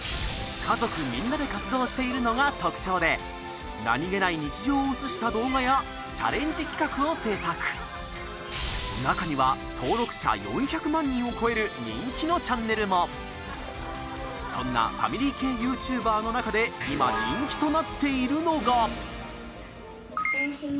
カゾクみんなで活動しているのが特徴で何げない日常を映した動画やチャレンジ企画を制作中には登録者４００万人を超える人気のチャンネルもそんなファミリー系ＹｏｕＴｕｂｅｒの中で今人気となっているのがだーしま。